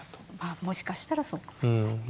もしかしたらそうかもしれないですね。